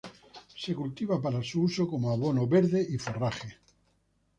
Se cultiva para su uso como abono verde y forraje.